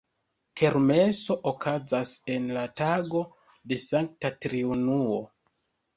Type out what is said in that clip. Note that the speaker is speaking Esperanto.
Kermeso okazas en la tago de Sankta Triunuo.